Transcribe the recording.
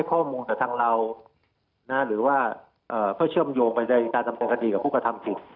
เพื่อเชื่อมโยงไปในการทำการคดีกับผู้กระทำผิด